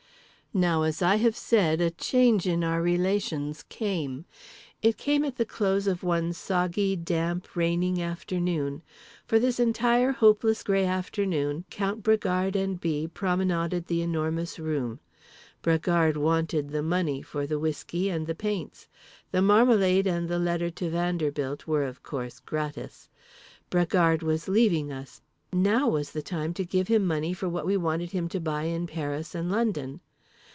Now, as I have said, a change in our relations came. It came at the close of one soggy, damp, raining afternoon. For this entire hopeless grey afternoon Count Bragard and B. promenaded The Enormous Room. Bragard wanted the money—for the whiskey and the paints. The marmalade and the letter to Vanderbilt were, of course, gratis. Bragard was leaving us. Now was the time to give him money for what we wanted him to buy in Paris and London.